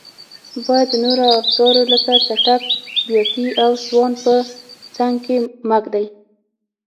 باید د نورو افزارو لکه څټک، بیاتي او سوان په څنګ کې مه ږدئ.